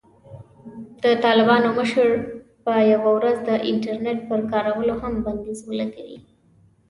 د طالبانو مشر به یوه ورځ د "انټرنېټ" پر کارولو هم بندیز ولګوي.